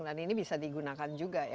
dan ini bisa digunakan juga ya